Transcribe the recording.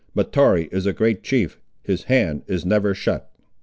Mahtoree is a great chief. His hand is never shut."